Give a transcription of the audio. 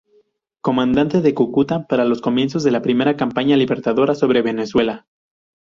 Comandante de Cúcuta para los comienzos de la primera campaña libertadora sobre Venezuela.